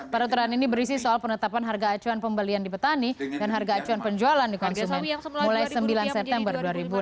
peraturan ini berisi soal penetapan harga acuan pembelian di petani dan harga acuan penjualan di konsumen mulai sembilan september dua ribu enam belas